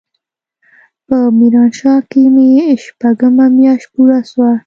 په ميرانشاه کښې مې شپږمه مياشت پوره سوه.